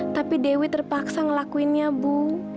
tapi dewi terpaksa ngelakuinnya bu